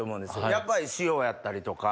やっぱり塩やったりとか。